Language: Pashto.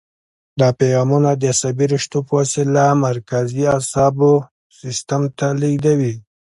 دا پیغامونه د عصبي رشتو په وسیله مرکزي اعصابو سیستم ته لېږدوي.